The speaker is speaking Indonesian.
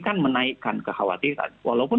kan menaikkan kekhawatiran walaupun